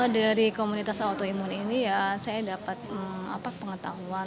dari komunitas autoimun ini ya saya dapat pengetahuan